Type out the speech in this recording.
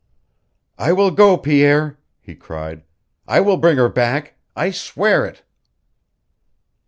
"I will go, Pierre," he cried. "I will bring her back. I swear it."